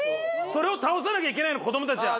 それを倒さなきゃいけないの子どもたちは。